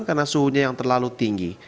karena suhunya yang terlalu tinggi